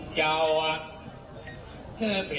เชือกนักโมทรัพย์